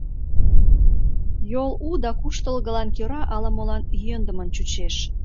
Йол у да куштылгылан кӧра ала-молан йӧндымын чучеш.